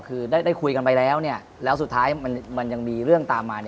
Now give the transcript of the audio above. คือได้คุยกันไปแล้วแล้วสุดท้ายมันยังมีเรื่องตามมา